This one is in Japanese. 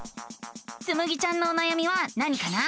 つむぎちゃんのおなやみは何かな？